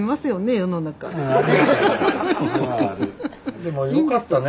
でもよかったね。